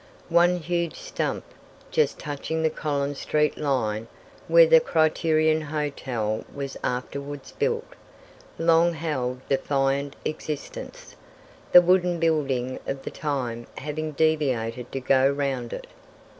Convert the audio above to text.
One huge stump, just touching the Collins street line where the Criterion Hotel was afterwards built, long held defiant existence, the wooden building of the time having deviated to go round it.